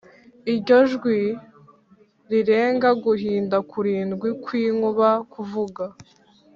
Iryo jwi rirenga guhinda kurindwi kw inkuba kuvuga